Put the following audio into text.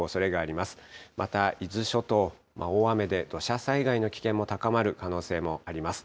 また伊豆諸島、大雨で土砂災害の危険も高まる可能性もあります。